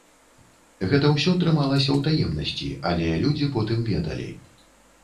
Гэта ўсё трымалася ў таемнасці, але людзі потым ведалі.